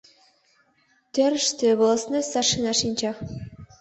Тӧрыштӧ волостной старшина шинча.